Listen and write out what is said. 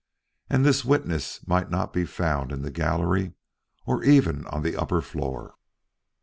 And this witness might not be found in the gallery, or even on the upper floor.